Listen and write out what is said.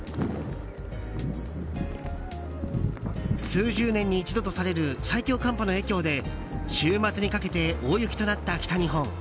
数十年に一度とされる最強寒波の影響で週末にかけて大雪となった北日本。